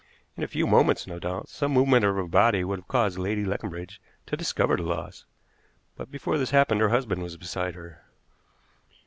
In a few moments, no doubt, some movement of her body would have caused Lady Leconbridge to discover the loss, but before this happened her husband was beside her."